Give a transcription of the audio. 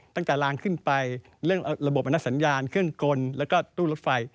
กลางลางขึ้นไปเรื่องระบบอนัสสัญญาณเครื่องกลแล้วก็ตู้รถไฟ